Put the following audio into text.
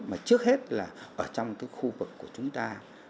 mà trước hết là ở trong cái khu vực của chúng ta